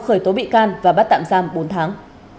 khởi tố bị can và bắt tạm giam bốn tháng